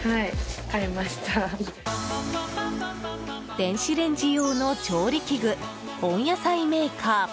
電子レンジ用の調理器具温野菜メーカー。